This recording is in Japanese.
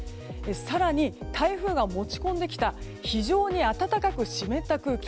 更に、台風が持ち込んできた非常に暖かく湿った空気。